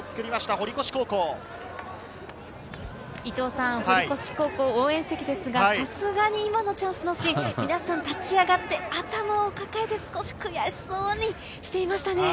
堀越高校応援席は、さすがに今のチャンスのシーン、皆さん立ち上がって、頭を抱えて少し悔しそうにしていました。